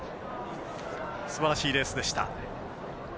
すばらしいレースでした。